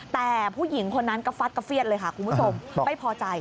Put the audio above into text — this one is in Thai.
แต่ผู้หญิงคนนั้นก็ฟัดกระเฟียดเลยค่ะคุณผู้ชมไม่พอใจ